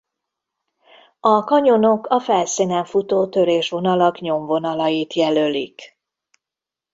A kanyonok a felszínen futó törésvonalak nyomvonalait jelölik.